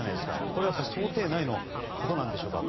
これは想定内のことなんでしょうか。